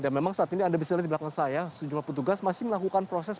dan memang saat ini anda bisa lihat di belakang saya sejumlah petugas masih melakukan proses